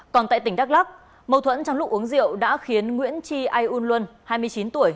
còn tại tỉnh đắk lắk mâu thuẫn trong lụng uống rượu đã khiến nguyễn tri ai un luân hai mươi chín tuổi